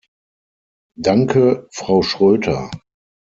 Danke, Frau Schroedter.